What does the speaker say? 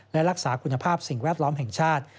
และรักษาคุณภาพสิ่งแวดล้อมแห่งชาติ